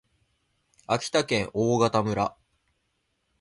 秋田県大潟村